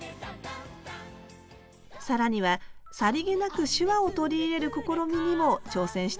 更にはさりげなく手話を取り入れる試みにも挑戦しています。